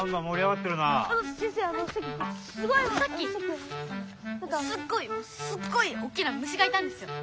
さっきすっごいすっごいおっきな虫がいたんですよ。